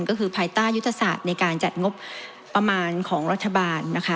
ก็คือภายใต้ยุทธศาสตร์ในการจัดงบประมาณของรัฐบาลนะคะ